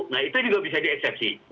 nah itu juga bisa dieksepsi